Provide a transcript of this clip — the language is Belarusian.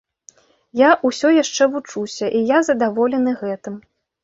Я ўсё яшчэ вучуся, і я задаволены гэтым.